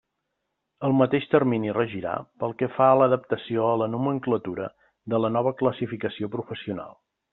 El mateix termini regirà pel que fa a l'adaptació a la nomenclatura de la nova classificació professional.